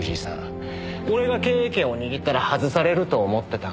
俺が経営権を握ったら外されると思ってたから。